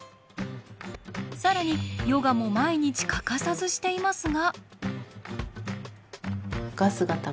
更にヨガも毎日欠かさずしていますが。